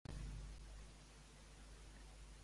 Bauzá està d'acord amb la seva manera d'actuar?